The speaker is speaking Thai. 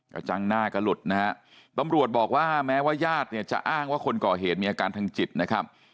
กระจังหน้ากระหลุดนะฮะตำรวจบอกว่าแม้ว่าญาติเนี่ยจะอ้างว่าคนก่อเหตุมีอาการทางจิตนะครับ